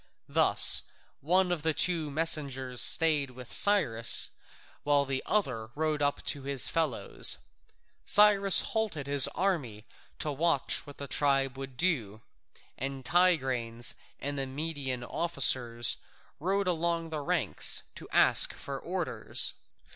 Thus one of the two messengers stayed with Cyrus while the other rode up to his fellows. Cyrus halted his army to watch what the tribe would do, and Tigranes and the Median officers rode along the ranks to ask for orders.